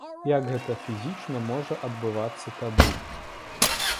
Як гэта фізічна можа адбывацца тады?